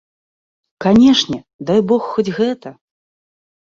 Канешне, дай бог хоць гэта!